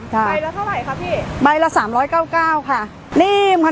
ใบแล้วเท่าไรคะพี่ใบละสามร้อยเก้าเก้าค่ะนิ่มฮะ